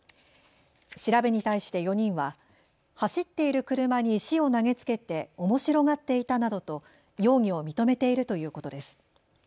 調べに対して４人は走っている車に石を投げつけておもしろがっていたなどと容疑を認めているということです。